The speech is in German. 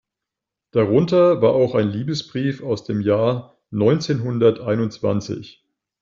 Darunter war auch ein Liebesbrief aus dem Jahr neunzehnhunderteinundzwanzig.